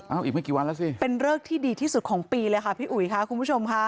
เอาอีกไม่กี่วันแล้วสิเป็นเริกที่ดีที่สุดของปีเลยค่ะพี่อุ๋ยค่ะคุณผู้ชมค่ะ